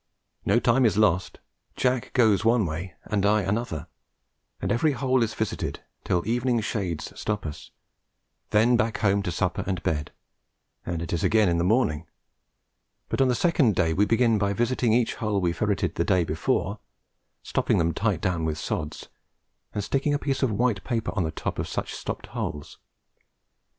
No time is lost. Jack goes one way and I another, and every hole is visited till evening shades stop us; then back home to supper and bed, and at it again in the morning; but on the second day we begin by visiting each hole we ferreted the day before, stopping them tight down with sods, and sticking a piece of white paper on the top of such stopped holes.